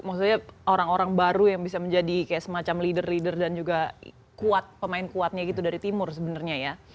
maksudnya orang orang baru yang bisa menjadi kayak semacam leader leader dan juga kuat pemain kuatnya gitu dari timur sebenarnya ya